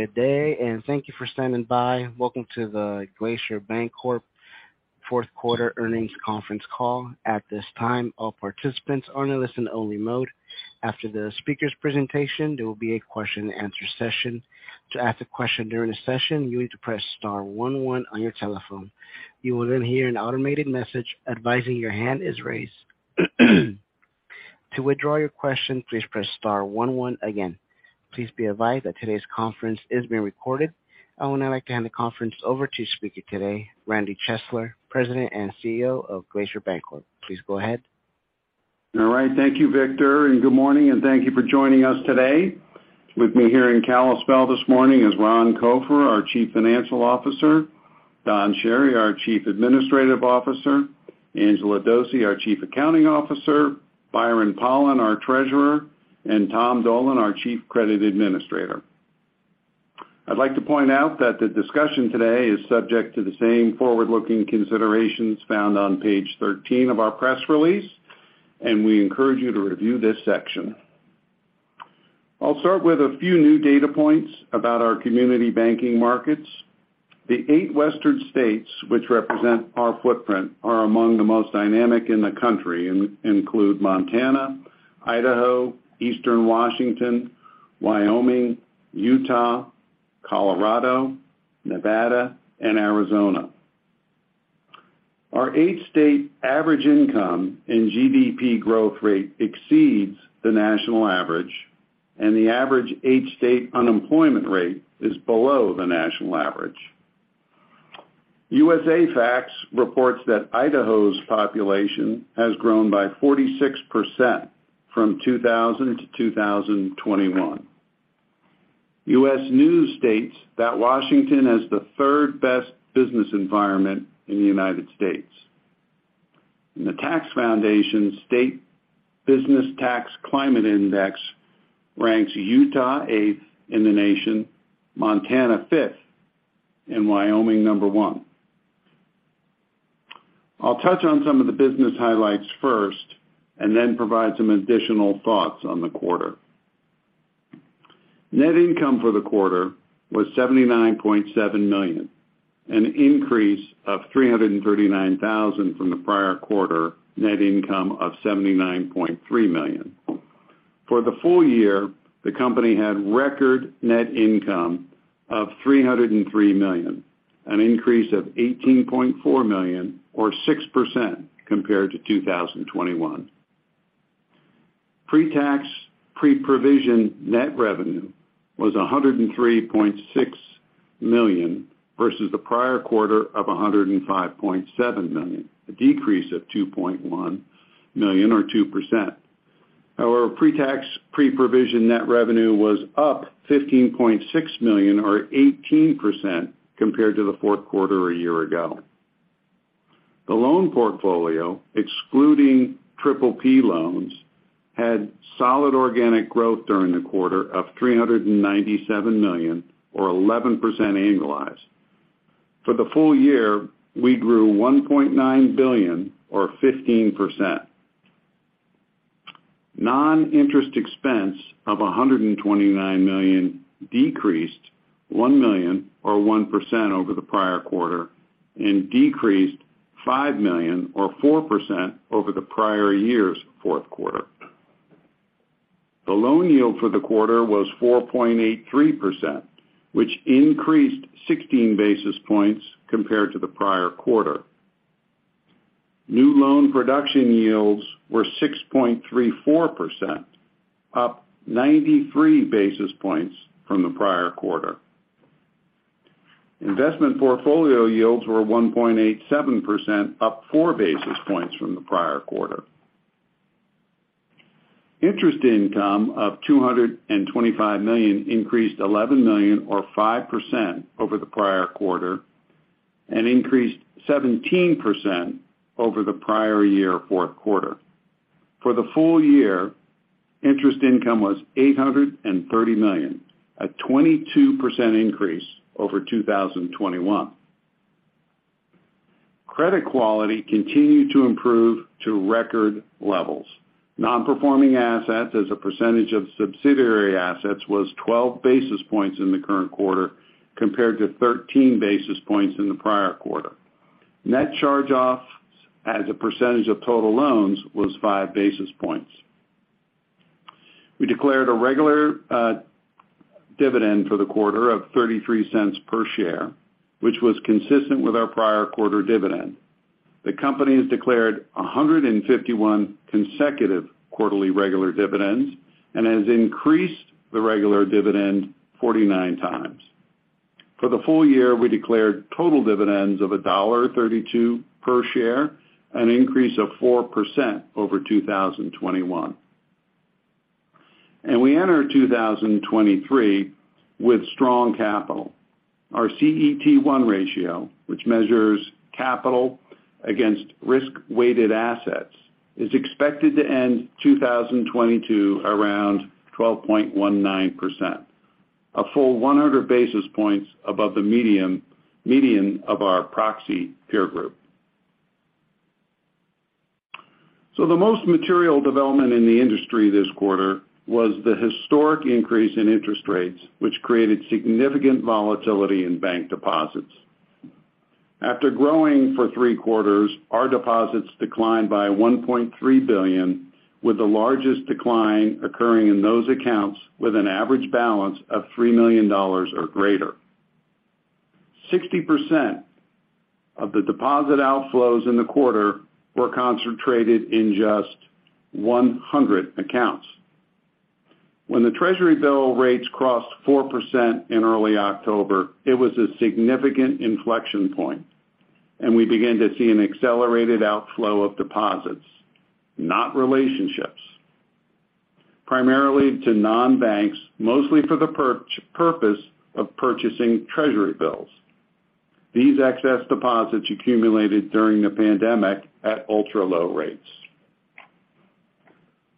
Good day, and thank you for standing by. Welcome to the Glacier Bancorp fourth quarter earnings conference call. At this time, all participants are in a listen-only mode. After the speaker's presentation, there will be a question-and-answer session. To ask a question during the session, you need to press star one one on your telephone. You will then hear an automated message advising your hand is raised. To withdraw your question, please press star one one again. Please be advised that today's conference is being recorded. I would now like to hand the conference over to speaker today, Randy Chesler, President and CEO of Glacier Bancorp. Please go ahead. All right. Thank you, Victor, and good morning, and thank you for joining us today. With me here in Kalispell this morning is Ron Copher, our Chief Financial Officer, Don Chery, our Chief Administrative Officer, Angela Dose, our Chief Accounting Officer, Byron Pollan, our Treasurer, and Tom Dolan, our Chief Credit Administrator. I'd like to point out that the discussion today is subject to the same forward-looking considerations found on page 13 of our press release, and we encourage you to review this section. I'll start with a few new data points about our community banking markets. The eight Western states which represent our footprint are among the most dynamic in the country and include Montana, Idaho, Eastern Washington, Wyoming, Utah, Colorado, Nevada, and Arizona. Our eight-state average income and GDP growth rate exceeds the national average, and the average eight-state unemployment rate is below the national average. USAFacts reports that Idaho's population has grown by 46% from 2000 to 2021. U.S. News states that Washington has the third-best business environment in the United States. The Tax Foundation State Business Tax Climate Index ranks Utah eighth in the nation, Montana fifth, and Wyoming one. I'll touch on some of the business highlights first and then provide some additional thoughts on the quarter. Net income for the quarter was $79.7 million, an increase of $339,000 from the prior quarter net income of $79.3 million. For the full year, the company had record net income of $303 million, an increase of $18.4 million or 6% compared to 2021. Pre-tax pre-provision net revenue was $103.6 million versus the prior quarter of $105.7 million, a decrease of $2.1 million or 2%. Our Pre-tax pre-provision net revenue was up $15.6 million or 18% compared to the fourth quarter a year ago. The loan portfolio, excluding PPP loans, had solid organic growth during the quarter of $397 million or 11% annualized. For the full year, we grew $1.9 billion or 15%. Non-interest expense of $129 million decreased $1 million or 1% over the prior quarter and decreased $5 million or 4% over the prior year's fourth quarter. The loan yield for the quarter was 4.83%, which increased 16 basis points compared to the prior quarter. New loan production yields were 6.34%, up 93 basis points from the prior quarter. Investment portfolio yields were 1.87%, up 4 basis points from the prior quarter. Interest income of $225 million increased $11 million or 5% over the prior quarter and increased 17% over the prior year fourth quarter. For the full year, interest income was $830 million, a 22% increase over 2021. Credit quality continued to improve to record levels. Non-performing assets as a percentage of subsidiary assets was 12 basis points in the current quarter compared to 13 basis points in the prior quarter. Net charge-offs as a percentage of total loans was 5 basis points. We declared a regular dividend for the quarter of $0.33 per share, which was consistent with our prior quarter dividend. The company has declared 151 consecutive quarterly regular dividends and has increased the regular dividend 49 times. For the full year, we declared total dividends of $1.32 per share, an increase of 4% over 2021. We enter 2023 with strong capital. Our CET1 ratio, which measures capital against risk-weighted assets, is expected to end 2022 around 12.19%, a full 100 basis points above the median of our proxy peer group. The most material development in the industry this quarter was the historic increase in interest rates, which created significant volatility in bank deposits. After growing for three quarters, our deposits declined by $1.3 billion, with the largest decline occurring in those accounts with an average balance of $3 million or greater. 60% of the deposit outflows in the quarter were concentrated in just 100 accounts. When the Treasury bill rates crossed 4% in early October, it was a significant inflection point. We began to see an accelerated outflow of deposits, not relationships, primarily to non-banks, mostly for the purpose of purchasing Treasury bills. These excess deposits accumulated during the pandemic at ultra-low rates.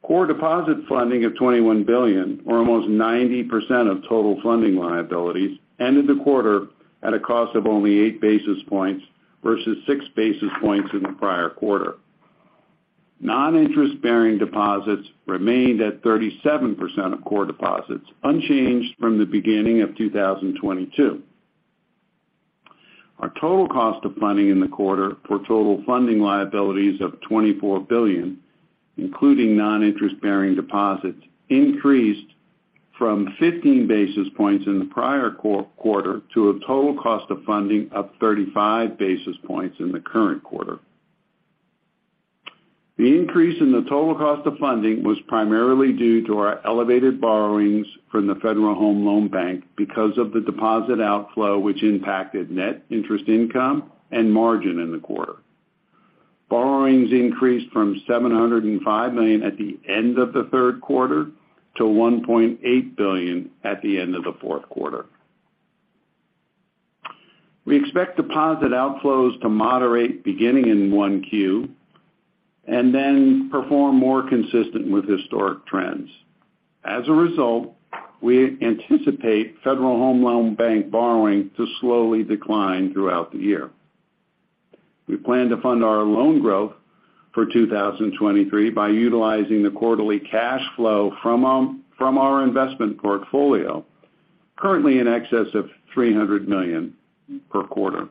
Core deposit funding of $21 billion, or almost 90% of total funding liabilities, ended the quarter at a cost of only 8 basis points versus 6 basis points in the prior quarter. Non-interest-bearing deposits remained at 37% of core deposits, unchanged from the beginning of 2022. Our total cost of funding in the quarter for total funding liabilities of $24 billion, including non-interest-bearing deposits, increased from 15 basis points in the prior quarter to a total cost of funding of 35 basis points in the current quarter. The increase in the total cost of funding was primarily due to our elevated borrowings from the Federal Home Loan Bank because of the deposit outflow, which impacted net interest income and margin in the quarter. Borrowings increased from $705 million at the end of the third quarter to $1.8 billion at the end of the fourth quarter. We expect deposit outflows to moderate beginning in 1Q and then perform more consistent with historic trends. As a result, we anticipate Federal Home Loan Bank borrowing to slowly decline throughout the year. We plan to fund our loan growth for 2023 by utilizing the quarterly cash flow from our investment portfolio, currently in excess of $300 million per quarter.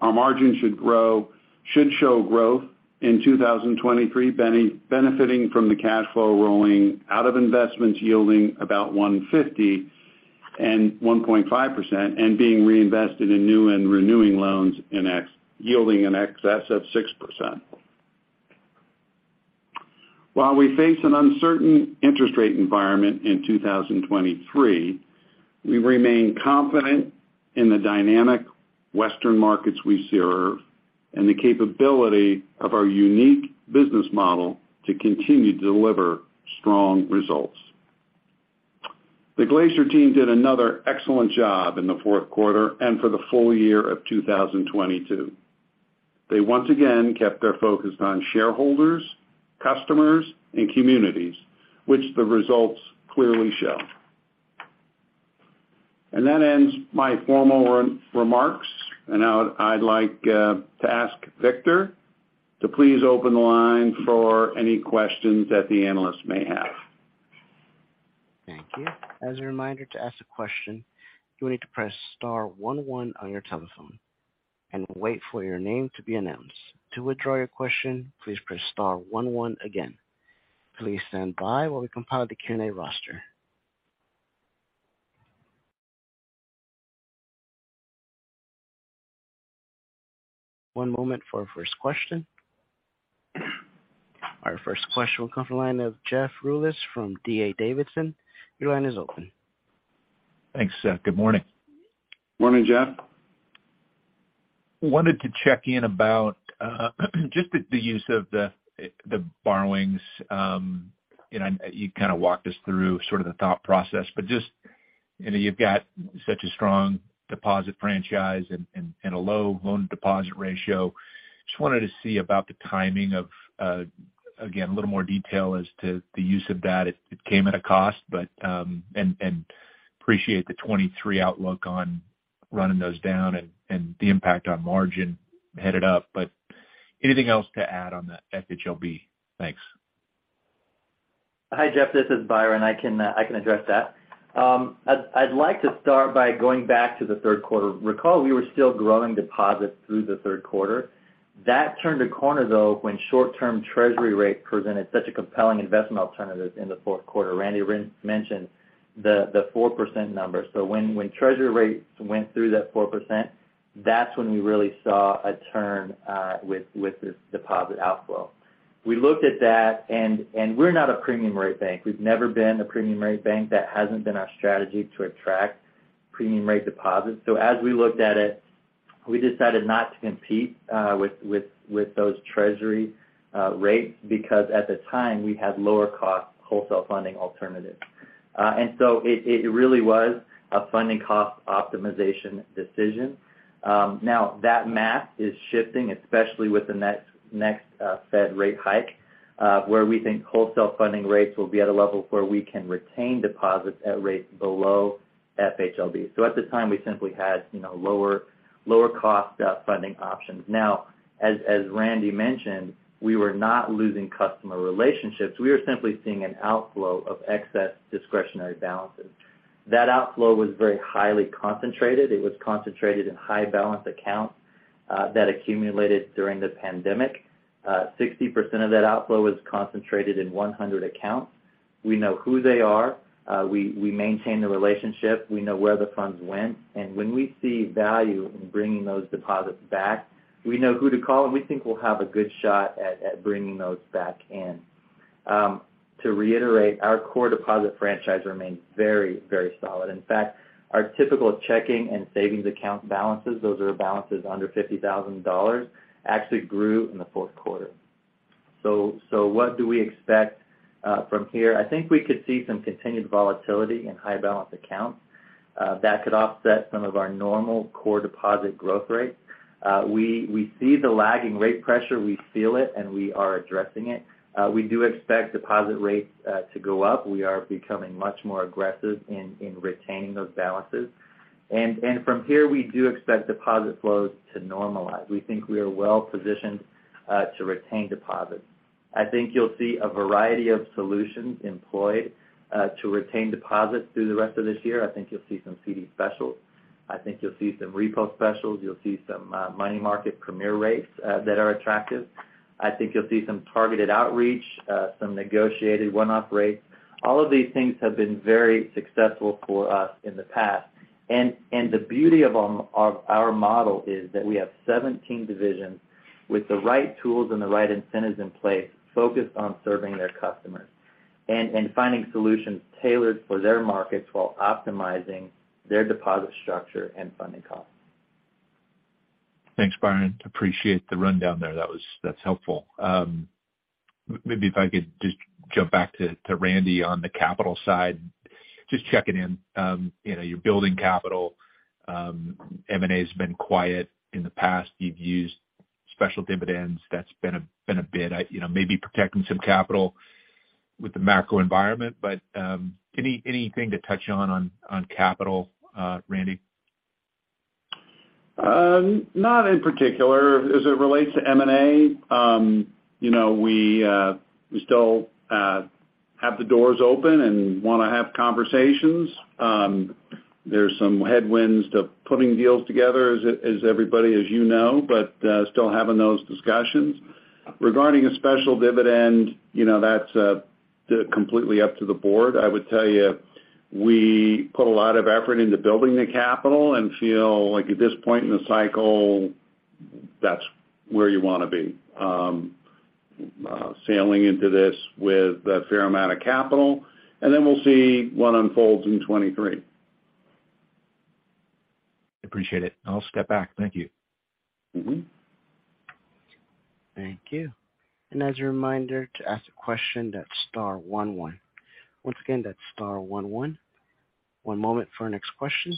Our margin should show growth in 2023, benefiting from the cash flow rolling out of investments yielding about 150 and 1.5% and being reinvested in new and renewing loans yielding in excess of 6%. We face an uncertain interest rate environment in 2023, we remain confident in the dynamic western markets we serve and the capability of our unique business model to continue to deliver strong results. The Glacier team did another excellent job in the fourth quarter and for the full year of 2022. They once again kept their focus on shareholders, customers, and communities, which the results clearly show. That ends my formal re-remarks. Now I'd like to ask Victor to please open the line for any questions that the analysts may have. Thank you. As a reminder, to ask a question, you will need to press star one one on your telephone and wait for your name to be announced. To withdraw your question, please press star one one again. Please stand by while we compile the Q&A roster. One moment for our first question. Our first question will come from the line of Jeff Rulis from D.A. Davidson. Your line is open. Thanks, Jeff. Good morning. Morning, Jeff. Wanted to check in about, just the use of the borrowings. You kinda walked us through sort of the thought process. Just, you know, you've got such a strong deposit franchise and a low loan deposit ratio. Just wanted to see about the timing of, again, a little more detail as to the use of that. It came at a cost, but... Appreciate the 2023 outlook on running those down and the impact on margin headed up. Anything else to add on the FHLB? Thanks. Hi, Jeff. This is Byron. I can address that. I'd like to start by going back to the third quarter. Recall we were still growing deposits through the third quarter. That turned a corner, though, when short-term Treasury rate presented such a compelling investment alternative in the fourth quarter. Randy mentioned the 4% number. When Treasury rates went through that 4%, that's when we really saw a turn with this deposit outflow. We looked at that, and we're not a premium rate bank. We've never been a premium rate bank. That hasn't been our strategy to attract premium rate deposits. As we looked at it, we decided not to compete with those Treasury rates because at the time, we had lower cost wholesale funding alternatives. It really was a funding cost optimization decision. Now, that map is shifting, especially with the next Fed rate hike. Where we think wholesale funding rates will be at a level where we can retain deposits at rates below FHLB. At the time, we simply had, you know, lower cost funding options. Now, as Randy mentioned, we were not losing customer relationships. We were simply seeing an outflow of excess discretionary balances. That outflow was very highly concentrated. It was concentrated in high balance accounts that accumulated during the pandemic. 60% of that outflow was concentrated in 100 accounts. We know who they are. We maintain the relationship. We know where the funds went. When we see value in bringing those deposits back, we know who to call, and we think we'll have a good shot at bringing those back in. To reiterate, our core deposit franchise remains very solid. In fact, our typical checking and savings account balances, those are balances under $50,000, actually grew in the fourth quarter. What do we expect from here? I think we could see some continued volatility in high balance accounts that could offset some of our normal core deposit growth rates. We see the lagging rate pressure, we feel it, and we are addressing it. We do expect deposit rates to go up. We are becoming much more aggressive in retaining those balances. From here, we do expect deposit flows to normalize. We think we are well-positioned to retain deposits. I think you'll see a variety of solutions employed to retain deposits through the rest of this year. I think you'll see some CD Specials. I think you'll see some Repo Specials. You'll see some money market premier rates that are attractive. I think you'll see some targeted outreach, some negotiated one-off rates. All of these things have been very successful for us in the past. The beauty of our model is that we have 17 divisions with the right tools and the right incentives in place focused on serving their customers and finding solutions tailored for their markets while optimizing their deposit structure and funding costs. Thanks, Byron. Appreciate the rundown there. That's helpful. Maybe if I could just jump back to Randy on the capital side. Just checking in, you know, you're building capital. M&A has been quiet in the past. You've used special dividends. That's been a bit, you know, maybe protecting some capital with the macro environment. Anything to touch on capital, Randy? Not in particular. As it relates to M&A, you know, we still have the doors open and wanna have conversations. There's some headwinds to putting deals together as everybody as you know, but still having those discussions. Regarding a special dividend, you know, that's completely up to the board. I would tell you, we put a lot of effort into building the capital and feel like at this point in the cycle, that's where you wanna be, sailing into this with a fair amount of capital, and then we'll see what unfolds in 2023. Appreciate it. I'll step back. Thank you. Thank you. As a reminder to ask a question, that's star one one. Once again, that's star one one. One moment for our next question.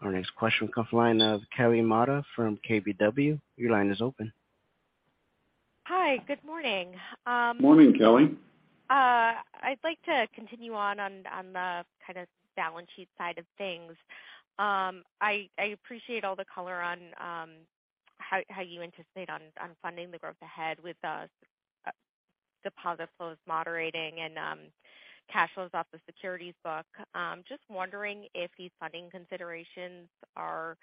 Our next question comes line of Kelly Motta from KBW. Your line is open. Hi, good morning. Morning, Kelly. I'd like to continue on the kind of balance sheet side of things. I appreciate all the color on how you anticipate on funding the growth ahead with the deposit flows moderating and cash flows off the securities book? Just wondering if these funding considerations are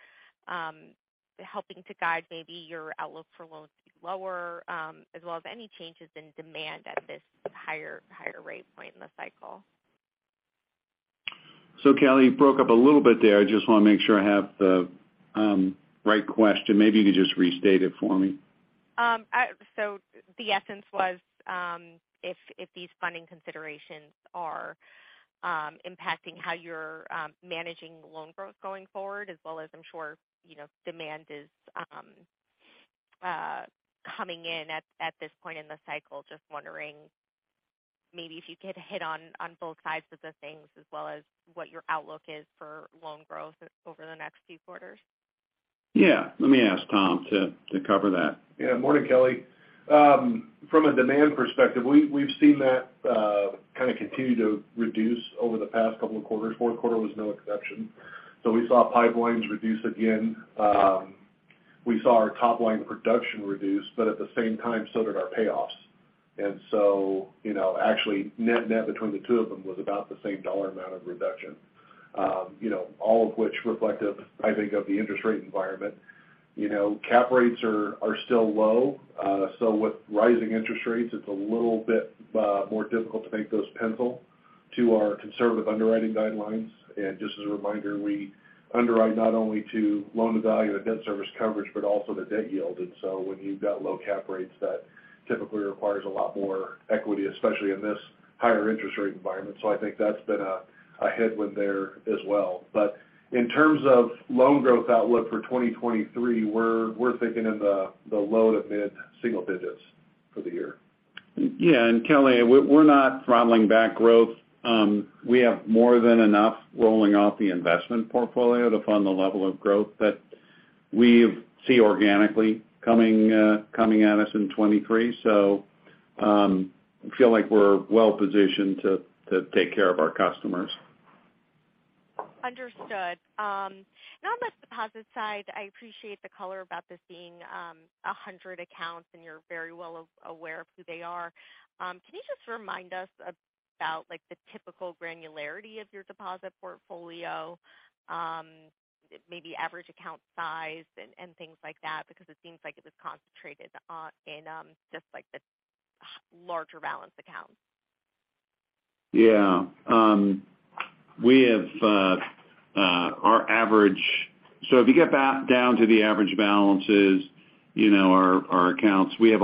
helping to guide maybe your outlook for loans to be lower, as well as any changes in demand at this higher rate point in the cycle? Kelly, you broke up a little bit there. I just wanna make sure I have the right question. Maybe you could just restate it for me. The essence was, if these funding considerations are impacting how you're managing loan growth going forward as well as I'm sure, you know, demand is coming in at this point in the cycle? Just wondering maybe if you could hit on both sides of the things as well as what your outlook is for loan growth over the next few quarters? Yeah. Let me ask Tom to cover that. Yeah. Morning, Kelly. From a demand perspective, we've seen that kind of continue to reduce over the past couple of quarters. Fourth quarter was no exception. We saw pipelines reduce again. We saw our top line production reduce, but at the same time, so did our payoffs. You know, actually net net between the two of them was about the same dollar amount of reduction. You know, all of which reflective, I think, of the interest rate environment. You know, Cap Rates are still low. With rising interest rates, it's a little bit more difficult to make those pencil to our conservative underwriting guidelines. Just as a reminder, we underwrite not only to Loan to Value and Debt Service Coverage, but also the Debt Yield. When you've got low cap rates, that typically requires a lot more equity, especially in this higher interest rate environment. I think that's been a headwind there as well. In terms of loan growth outlook for 2023, we're thinking in the low to mid-single digits for the year. Yeah. Kelly, We're not throttling back growth. We have more than enough rolling off the investment portfolio to fund the level of growth that we see organically coming coming at us in 2023. I feel like we're well positioned to take care of our customers. Understood. Now on the deposit side, I appreciate the color about this being 100 accounts, and you're very well aware of who they are. Can you just remind us about, like, the typical granularity of your deposit portfolio, maybe average account size and things like that? Because it seems like it was concentrated on, in, just, like, the larger balance accounts. Yeah. If you get back down to the average balances, you know, our accounts, we have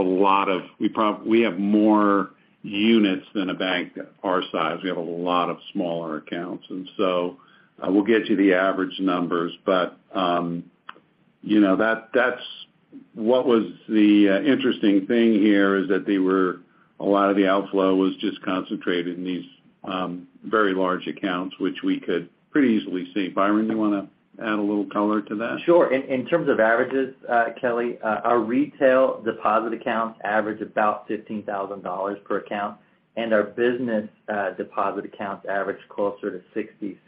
more units than a bank our size. We have a lot of smaller accounts. I will get you the average numbers. you know, that's what was the interesting thing here, is that a lot of the outflow was just concentrated in these very large accounts, which we could pretty easily see. Byron, do you wanna add a little color to that? Sure. In terms of averages, Kelly, our retail deposit accounts average about $15,000 per account, and our business deposit accounts average closer to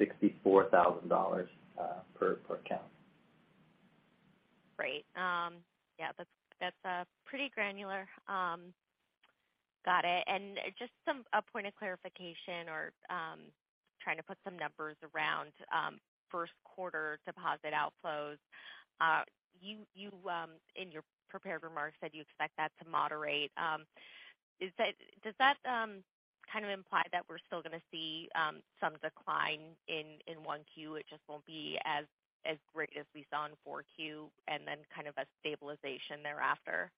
$60,000-$64,000 per account. Great. Yeah, that's pretty granular. Got it. Just a point of clarification or, trying to put some numbers around first quarter deposit outflows. You, in your prepared remarks, said you expect that to moderate. Does that kind of imply that we're still gonna see some decline in 1Q, it just won't be as great as we saw in 4Q, and then kind of a stabilization thereafter?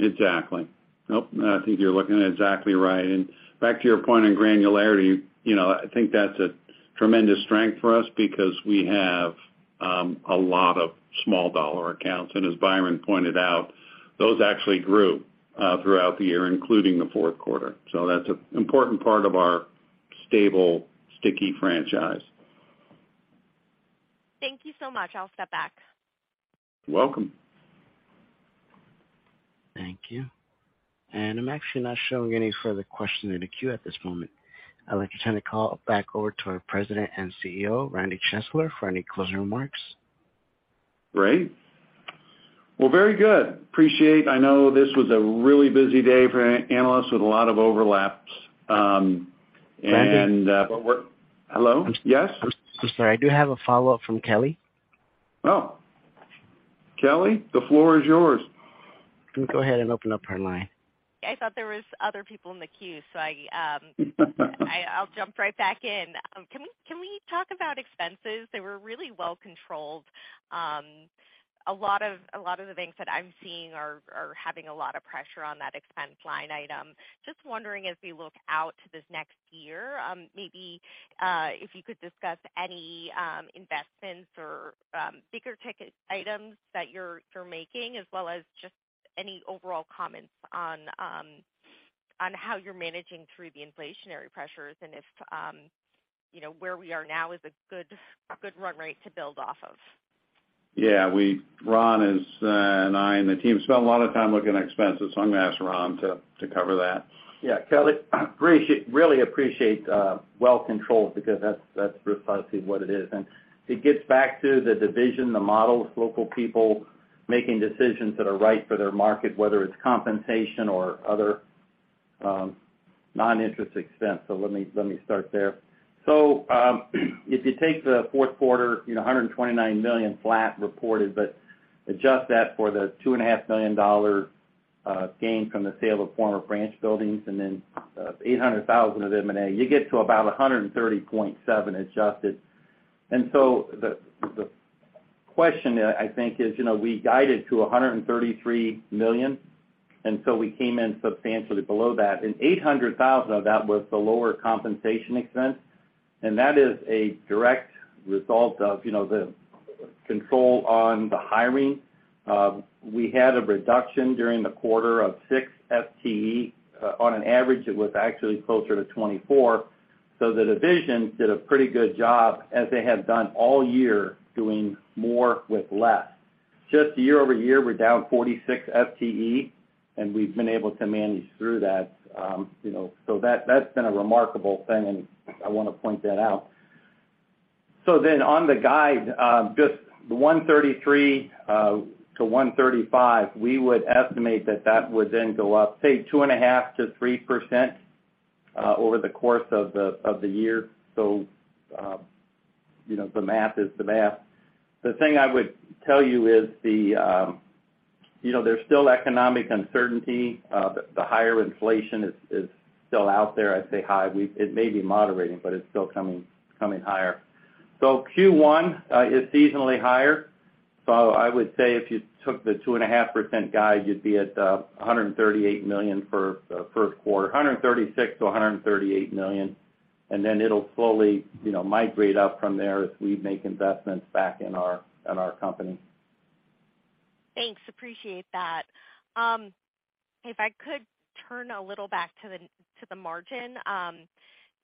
Exactly. Nope. I think you're looking at it exactly right. Back to your point on granularity, you know, I think that's a tremendous strength for us because we have a lot of small dollar accounts. As Byron pointed out, those actually grew throughout the year, including the fourth quarter. That's an important part of our stable, sticky franchise. Thank you so much. I'll step back. You're welcome. Thank you. I'm actually not showing any further questions in the queue at this moment. I'd like to turn the call back over to our President and CEO, Randy Chesler, for any closing remarks. Great. Well, very good. Appreciate. I know this was a really busy day for analysts with a lot of overlaps. Randy- Hello? Yes. I'm so sorry. I do have a follow-up from Kelly. Oh. Kelly, the floor is yours. Let me go ahead and open up her line. I thought there was other people in the queue. I'll jump right back in. Can we talk about expenses? They were really well controlled. A lot of the banks that I'm seeing are having a lot of pressure on that expense line item. Just wondering as we look out to this next year, maybe if you could discuss any investments or bigger ticket items that you're making, as well as just any overall comments on how you're managing through the inflationary pressures and if, you know, where we are now is a good run rate to build off of? Yeah. Ron is, and I and the team spent a lot of time looking at expenses. I'm gonna ask Ron to cover that. Yeah. Kelly, appreciate, really appreciate, well controlled because that's precisely what it is. It gets back to the division, the models, local people making decisions that are right for their market, whether it's compensation or other non-interest expense. Let me start there. If you take the fourth quarter, you know, $129 million flat reported, adjust that for the $2.5 million gain from the sale of former branch buildings and then $800,000 of M&A, you get to about $130.7 adjusted. The question, I think is, you know, we guided to $133 million, we came in substantially below that. Eight hundred thousand of that was the lower compensation expense, and that is a direct result of, you know, the control on the hiring. We had a reduction during the quarter of six FTE. On an average, it was actually closer to 24. The divisions did a pretty good job, as they have done all year, doing more with less. Just year-over-year, we're down 46 FTE, and we've been able to manage through that. You know, that's been a remarkable thing, and I wanna point that out. On the guide, just the 133-135, we would estimate that that would then go up, say, 2.5%-3%, over the course of the, of the year. You know, the math is the math. The thing I would tell you is, you know, there's still economic uncertainty. The higher inflation is still out there. I say high. It may be moderating, but it's still coming higher. Q1 is seasonally higher. I would say if you took the 2.5% guide, you'd be at $138 million for first quarter, $136 million-$138 million, and then it'll slowly, you know, migrate up from there as we make investments back in our company. Thanks. Appreciate that. If I could turn a little back to the margin.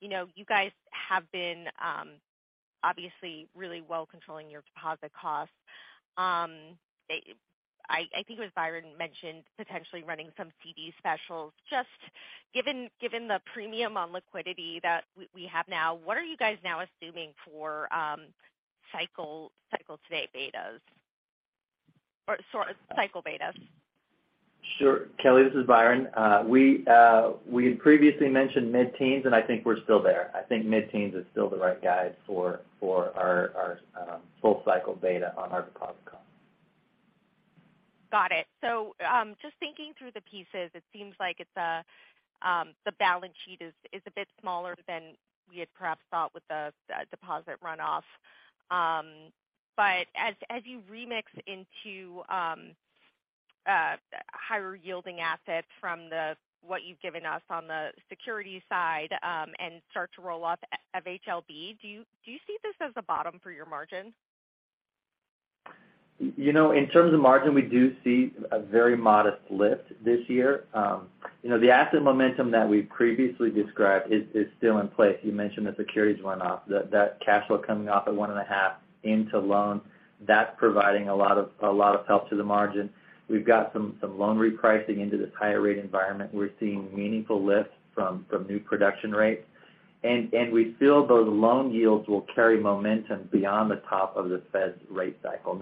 You know, you guys have been obviously really well controlling your deposit costs. I think it was Byron mentioned potentially running some CD Specials. Just given the premium on liquidity that we have now, what are you guys now assuming for cycle-to-date betas or so-cycle betas? Sure. Kelly, this is Byron. We had previously mentioned mid-teens, and I think we're still there. I think mid-teens is still the right guide for our full cycle beta on our deposit cost. Got it. Just thinking through the pieces, it seems like it's the balance sheet is a bit smaller than we had perhaps thought with the deposit runoff. As you remix into higher yielding assets from what you've given us on the security side, and start to roll off of FHLB, do you see this as a bottom for your margin? You know, in terms of margin, we do see a very modest lift this year. You know, the asset momentum that we've previously described is still in place. You mentioned the securities runoff, that cash flow coming off at 1.5 into loans. That's providing a lot of help to the margin. We've got some loan repricing into this higher rate environment. We're seeing meaningful lifts from new production rates. We feel those loan yields will carry momentum beyond the top of the Fed's rate cycle.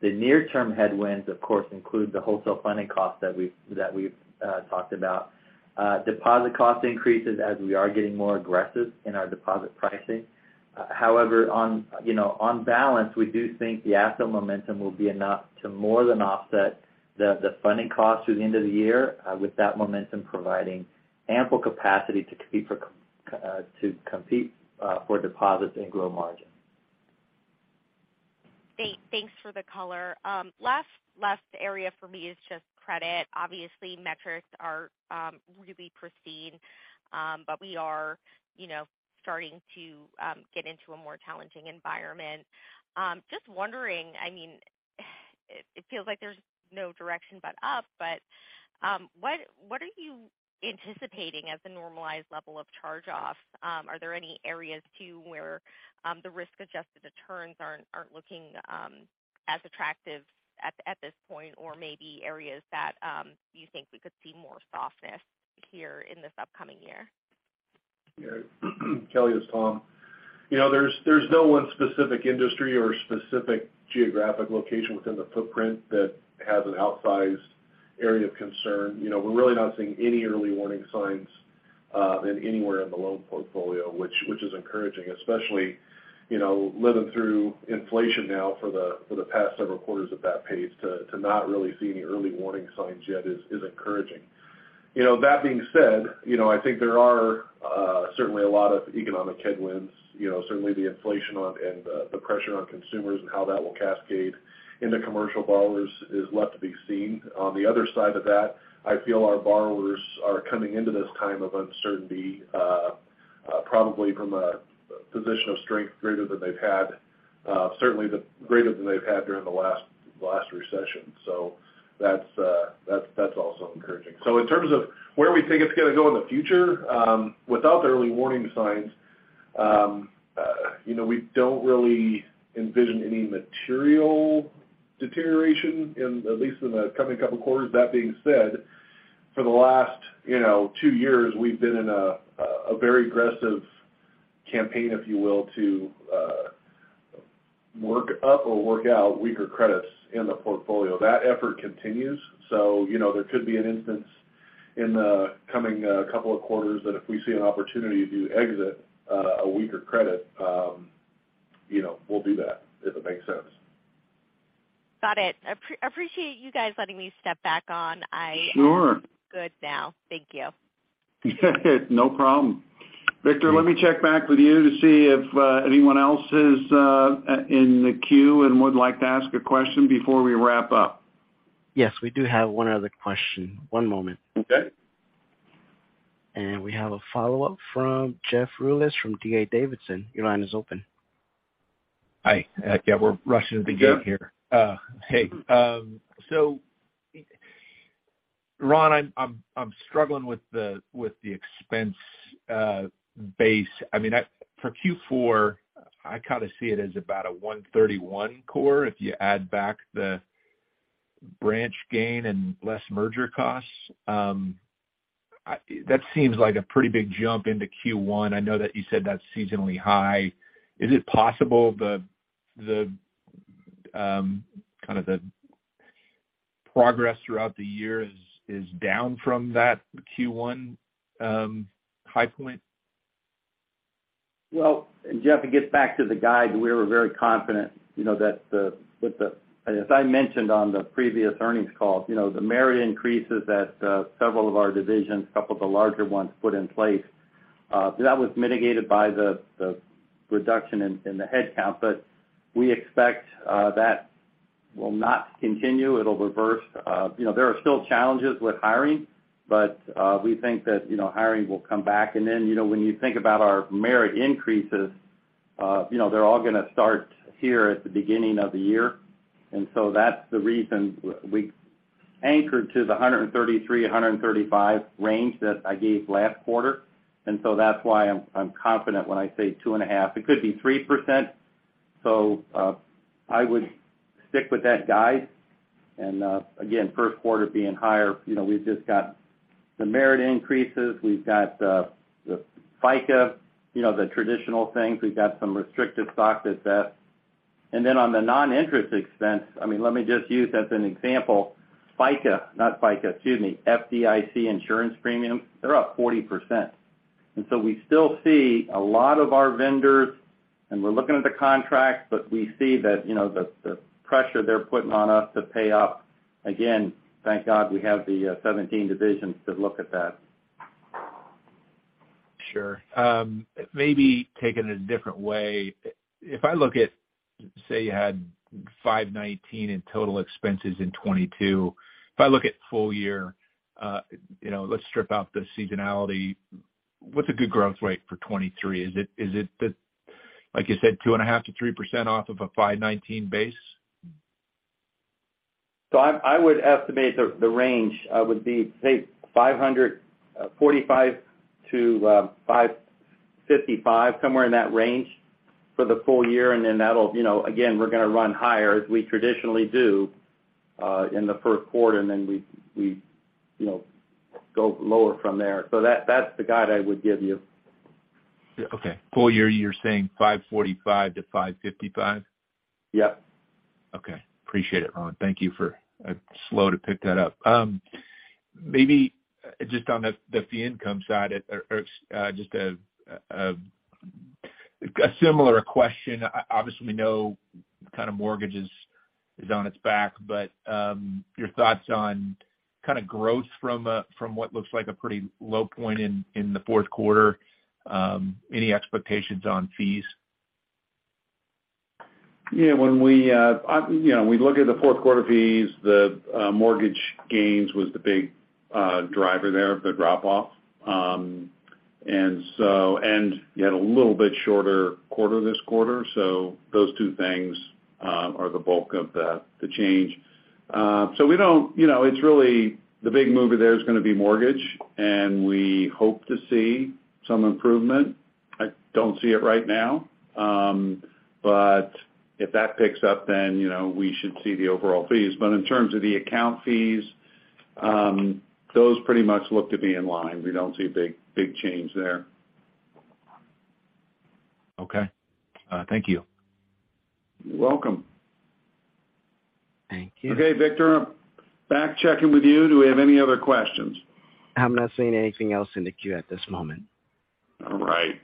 The near term headwinds, of course, include the wholesale funding costs that we've talked about. Deposit cost increases as we are getting more aggressive in our deposit pricing. However, on, you know, on balance, we do think the asset momentum will be enough to more than offset the funding costs through the end of the year, with that momentum providing ample capacity to compete for deposits and grow margin. Great. Thanks for the color. last area for me is just credit. Obviously, metrics are really pristine, but we are, you know, starting to get into a more challenging environment. Just wondering, I mean, it feels like there's no direction but up, but what are you anticipating as the normalized level of charge-offs? Are there any areas too, where the risk-adjusted returns aren't looking as attractive at this point or maybe areas that you think we could see more softness here in this upcoming year? Yeah. Kelly, it's Tom. You know, there's no one specific industry or specific geographic location within the footprint that has an outsized area of concern. You know, we're really not seeing any early warning signs in anywhere in the loan portfolio, which is encouraging, especially, you know, living through inflation now for the past several quarters at that pace to not really see any early warning signs yet is encouraging. You know, that being said, you know, I think there are certainly a lot of economic headwinds. You know, certainly the inflation on and the pressure on consumers and how that will cascade into commercial borrowers is left to be seen. On the other side of that, I feel our borrowers are coming into this time of uncertainty, probably from a position of strength greater than they've had, certainly the greater than they've had during the last recession. That's also encouraging. In terms of where we think it's gonna go in the future, without the early warning signs, you know, we don't really envision any material deterioration in at least in the coming couple quarters. That being said, for the last, you know, two years, we've been in a very aggressive campaign, if you will, to work up or work out weaker credits in the portfolio. That effort continues. You know, there could be an instance in the coming, couple of quarters that if we see an opportunity to exit, a weaker credit, you know, we'll do that if it makes sense. Got it. Appreciate you guys letting me step back on. Sure. Am good now. Thank you. No problem. Victor, let me check back with you to see if anyone else is in the queue and would like to ask a question before we wrap up. We do have one other question. One moment. Okay. We have a follow-up from Jeff Rulis from D.A. Davidson. Your line is open. Hi. Yeah, we're rushing the gate here. Hey, Jeff. Hey. Ron, I'm struggling with the expense base. I mean, for Q4, I kinda see it as about a $131 core if you add back the branch gain and less merger costs. That seems like a pretty big jump into Q1. I know that you said that's seasonally high. Is it possible the kind of the progress throughout the year is down from that Q1 high point? Well, Jeff, it gets back to the guide. We were very confident, you know, that as I mentioned on the previous earnings call, you know, the merit increases at several of our divisions, a couple of the larger ones put in place, that was mitigated by the reduction in the headcount. We expect that will not continue. It'll reverse. You know, there are still challenges with hiring, but, we think that, you know, hiring will come back. Then, you know, when you think about our merit increases. You know, they're all gonna start here at the beginning of the year. That's the reason we anchored to the 133-135 range that I gave last quarter. That's why I'm confident when I say 2.5%. It could be 3%. I would stick with that guide. Again, first quarter being higher. You know, we've just got some merit increases. We've got the FICA, you know, the traditional things. We've got some restricted stock that's vested. Then on the non-interest expense, I mean, let me just use as an example, FICA. Not FICA, excuse me, FDIC insurance premium, they're up 40%. We still see a lot of our vendors, and we're looking at the contracts, but we see that, you know, the pressure they're putting on us to pay up. Again, thank God we have the 17 divisions to look at that. Sure. Maybe taking it a different way. If I look at, say, you had $519 in total expenses in 2022. If I look at full year, you know, let's strip out the seasonality. What's a good growth rate for 2023? Is it the, like you said, 2.5%-3% off of a $519 base? I would estimate the range would be say $545-$555, somewhere in that range for the full year. That'll, you know, again, we're gonna run higher as we traditionally do, in the first quarter, and then we, you know, go lower from there. That's the guide I would give you. Okay. Full year, you're saying $545-$555? Yep. Okay. Appreciate it, Ron. Thank you for, I'm slow to pick that up. Maybe just on the fee income side or just a similar question. Obviously, we know kind of mortgages is on its back, but your thoughts on kind of growth from what looks like a pretty low point in the fourth quarter. Any expectations on fees? Yeah, when we, you know, we look at the fourth quarter fees, the mortgage gains was the big driver there of the drop off. You had a little bit shorter quarter this quarter. Those two things are the bulk of the change. We don't, you know, it's really the big mover there is gonna be mortgage, and we hope to see some improvement. I don't see it right now. If that picks up, then, you know, we should see the overall fees. In terms of the account fees, those pretty much look to be in line. We don't see a big, big change there. Okay. Thank you. You're welcome. Thank you. Okay. Victor, back checking with you. Do we have any other questions? I'm not seeing anything else in the queue at this moment. All right.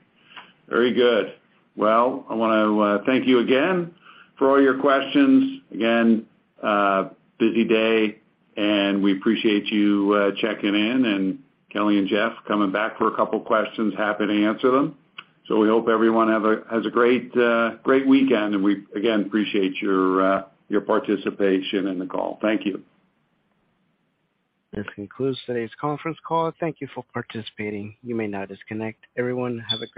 Very good. Well, I wanna thank you again for all your questions. Again, busy day, and we appreciate you checking in. Kelly and Jeff coming back for a couple of questions, happy to answer them. We hope everyone has a great weekend. We again appreciate your participation in the call. Thank you. This concludes today's conference call. Thank you for participating. You may now disconnect. Everyone, have a great-